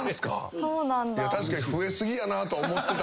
確かに増え過ぎやなとは思ってた。